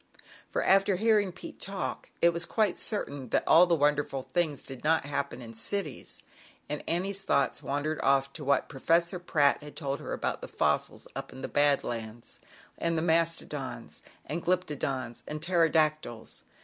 For, after hearing Pete talk, it was quite, cer^in that all the wonderful ftd not happen in cities. Then thoughts wandered off to what :essor Pratt had told her about the ils, up in the Bad Lands; and the astodons, and Glyptodons and Ptero [Jctyls.